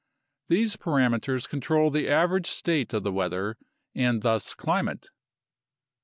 These parameters control the average state of the weather and thus climate.